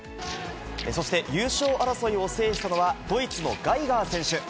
そして優勝争いを制したのはドイツのガイガー選手。